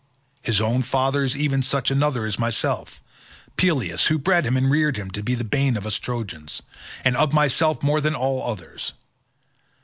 His own father is even such another as myself—Peleus, who bred him and reared him to be the bane of us Trojans, and of myself more than of all others.